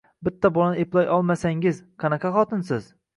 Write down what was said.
Bitta bolani eplay olmasangiz qanaqa xotinsiz